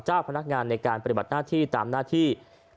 เจ้าพนักงานในการปฏิบัติหน้าที่